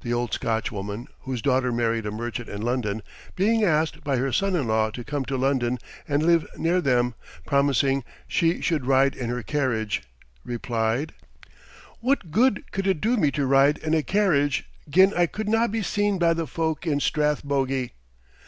The old Scotch woman, whose daughter married a merchant in London, being asked by her son in law to come to London and live near them, promising she should "ride in her carriage," replied: "What good could it do me to ride in a carriage gin I could na be seen by the folk in Strathbogie?"